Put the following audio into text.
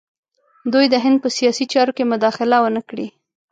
دوی د هند په سیاسي چارو کې مداخله ونه کړي.